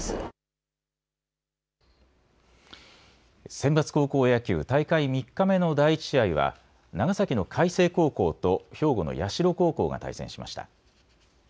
センバツ高校野球、大会３日目の第１試合は長崎の海星高校と兵庫の社高校が対戦しました。